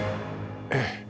ええ。